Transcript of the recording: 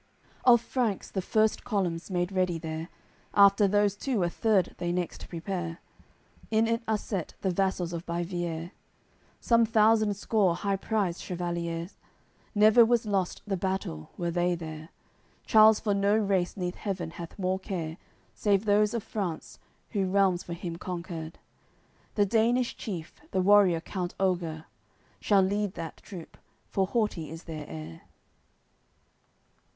AOI. CCXVIII Of Franks the first columns made ready there, After those two a third they next prepare; In it are set the vassals of Baiviere, Some thousand score high prized chevaliers; Never was lost the battle, where they were: Charles for no race neath heaven hath more care, Save those of France, who realms for him conquered. The Danish chief, the warrior count Oger, Shall lead that troop, for haughty is their air.